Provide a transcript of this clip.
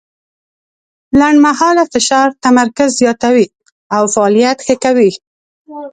لنډمهاله فشار تمرکز زیاتوي او فعالیت ښه کوي.